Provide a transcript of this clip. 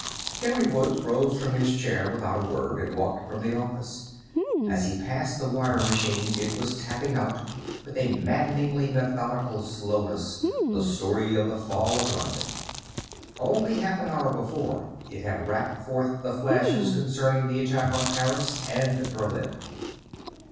Henry Woods rose from his chair without a word and walked from the office. As he passed the wire machine it was tapping out, with a maddeningly methodical slowness, the story of the fall of London. Only half an hour before it had rapped forth the flashes concerning the attack on Paris and Berlin.